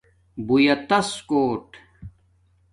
بُݸیتس کوٹ